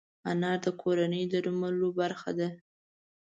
انار د کورني درملو برخه ده.